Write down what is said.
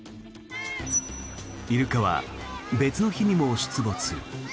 イルカは別の日にも出没。